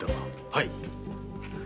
はい。